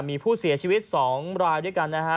มีผู้เสียชีวิต๒รายด้วยกันนะฮะ